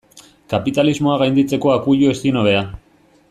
Kapitalismoa gainditzeko akuilu ezin hobea.